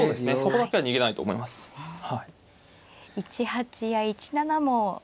１八や１七も。